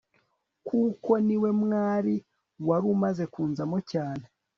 kuko niwe mwari wari umaze kunzamo cyane